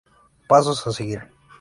Pasos a seguir.